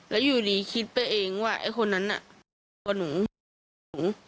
แล้วอยู่ดีคิดไปเองว่าไอ้คนนั้นน่ะมากกว่าหนู